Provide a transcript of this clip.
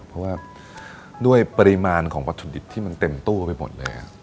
เพราะว่าด้วยปริมาณของวัตถุดิบที่มันเต็มตู้ไปหมดเลย